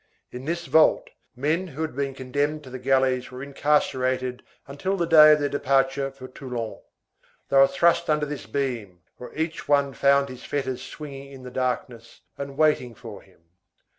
In this vault, men who had been condemned to the galleys were incarcerated until the day of their departure for Toulon. They were thrust under this beam, where each one found his fetters swinging in the darkness and waiting for him.